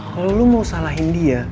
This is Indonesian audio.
kalau lu mau salahin dia